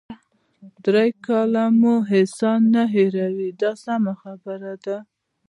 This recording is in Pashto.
درې کاله مو احسان نه هیروي دا سمه خبره ده.